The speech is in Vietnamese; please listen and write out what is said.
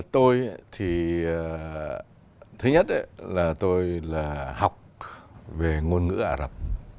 tôi thì thứ nhất là tôi là học về ngôn ngữ ả rập